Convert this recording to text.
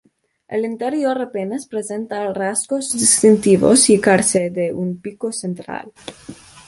El interior apenas presenta rasgos distintivos, y carece de un pico central.